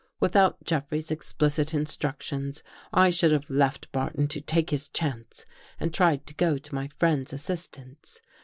Without Jeffrey's explicit instructions, I should have left Barton to take his chance and tried to go to my friend's assistance.